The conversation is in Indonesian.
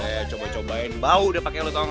eh coba cobain bau udah pake lo tau gak